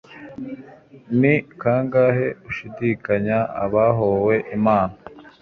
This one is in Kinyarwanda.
Ni kangahe ushidikanya abahowe Imana